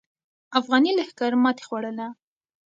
افغاني لښکر ماتې خوړله.